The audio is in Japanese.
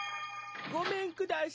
ごめんください。